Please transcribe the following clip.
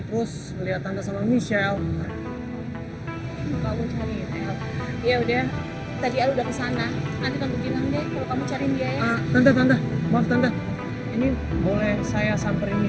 kalau benar mamanya michelle itu perempuan yang lagi deket sama papa gimana